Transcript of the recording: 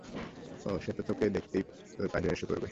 ওহ, সে তো তোকে দেখতেই তোর পায়ে এসে পরবে।